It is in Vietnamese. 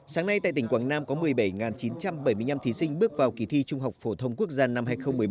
sáng nay tại tỉnh quảng nam có một mươi bảy chín trăm bảy mươi năm thí sinh bước vào kỳ thi trung học phổ thông quốc gia năm hai nghìn một mươi bảy